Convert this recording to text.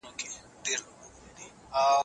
روښانه فکر هدف نه خرابوي.